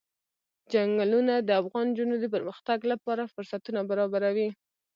چنګلونه د افغان نجونو د پرمختګ لپاره فرصتونه برابروي.